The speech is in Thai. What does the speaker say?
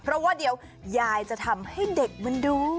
เพราะว่าเดี๋ยวยายจะทำให้เด็กมันดู